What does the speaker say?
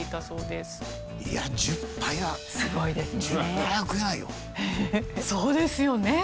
そうですよね。